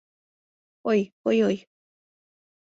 Ой ой-ой!